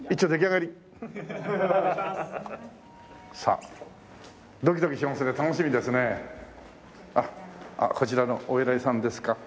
あっこちらのお偉いさんですか？